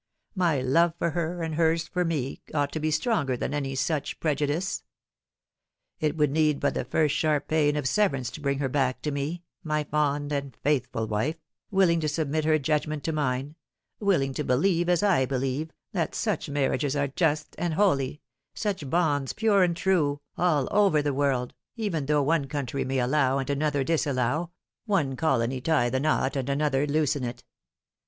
My love for her, and hers for me, ought to be stronger than any such prejudice. It would need but the first sharp pain of severance to bring her back to me, my fond and faithful wife, willing to submit her judgment to mine, willing to believe, as I believe, that such marriages are just and holy, such bonds pure and true, all over the world, even though one country may allow and another disallow, one colony tie the knot and another loosen it.